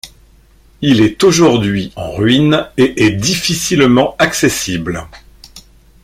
Il est aujourd'hui en ruine et est difficilement accessible.